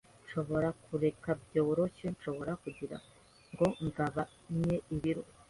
Nshobora kureka byoroshye shokora kugirango ngabanye ibiro.